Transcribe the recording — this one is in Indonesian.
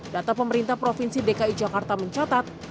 data pemerintah provinsi dki jakarta mencatat